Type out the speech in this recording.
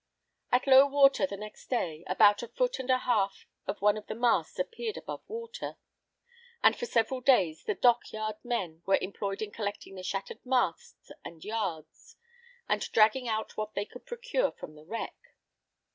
At low water, the next day, about a foot and a half of one of the masts appeared above water; and for several days the dock yard men were employed in collecting the shattered masts and yards, and dragging out what they could procure from the wreck.